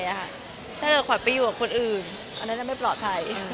ถ้าขวัญไปอยู่กับคนอื่นอันนั้นจะไม่ปลอดภัย